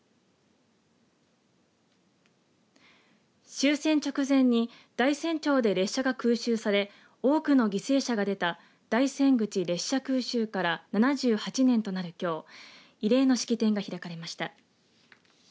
終戦直前に大山町で列車が空襲され多くの犠牲者が出た大山口列車空襲から７８年となるきょう慰霊の式典が開かれました。